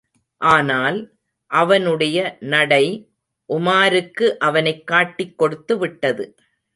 ஆனால், அவனுடைய நடை, உமாருக்கு அவனைக் காட்டிக் கொடுத்துவிட்டது.